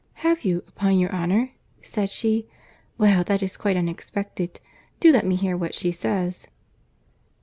'Have you, upon your honour?' said she; 'well, that is quite unexpected. Do let me hear what she says.